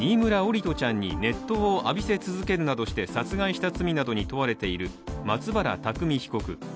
利斗ちゃんに熱湯を浴びせ続けるなどして殺害した罪などに問われている松原拓海被告。